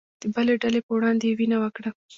د بلې ډلې په وړاندې يې وينه وکړه